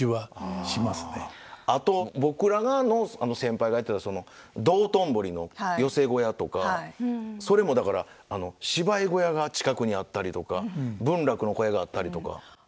あと僕らの先輩がやってたその道頓堀の寄席小屋とかそれもだから芝居小屋が近くにあったりとか文楽の小屋があったりとか。